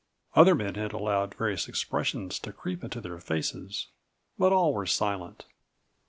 Other men had allowed various expressions to creep into their faces. But all were silent.